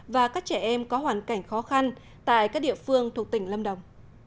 và các trẻ em có hoàn cảnh khó khăn tại các địa phương thuộc tỉnh lâm đồng